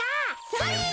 それ！